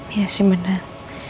iya sih bener